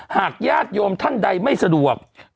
หากญาติโยมท่านใดไม่สะดวก